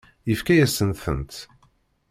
Yefka-yasent-tent.